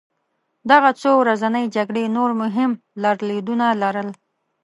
دغه څو ورځنۍ جګړې نور مهم لرلېدونه لرل.